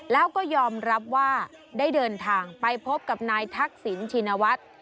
แล้วก็ยอมรับว่าได้เดินทางไปพบกับนายทักษิณชินวัฒน์